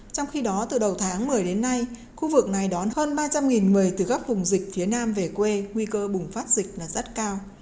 trong khi đó từ đầu tháng một mươi đến nay khu vực này đón hơn ba trăm linh người từ các vùng dịch phía nam về quê nguy cơ bùng phát dịch là rất cao